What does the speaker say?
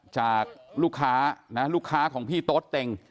จากลูกค้านะลูกค้าของพี่โต๊ดเต็ง